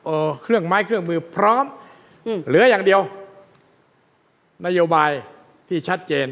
เครื่องไม้เครื่องมือพร้อมอืมเหลืออย่างเดียวนโยบายที่ชัดเจน